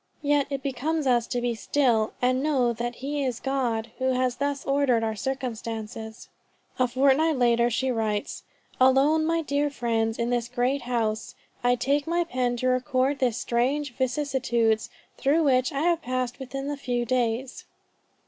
Yet it becomes us to be still, and know that he is God who has thus ordered our circumstances." A fortnight later, she writes: "Alone, my dear friends, in this great house, ... I take my pen to record the strange vicissitudes through which I have passed within a few days."